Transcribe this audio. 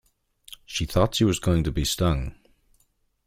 She thought she was going to be stung.